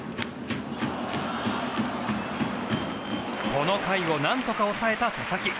この回を何とか抑えた佐々木。